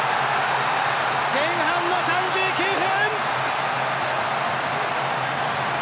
前半の３９分！